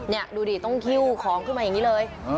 นี่ดูดิต้องหิ้วของขึ้นมาอย่างนี้เลย